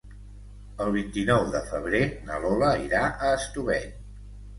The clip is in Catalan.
El vint-i-nou de febrer na Lola irà a Estubeny.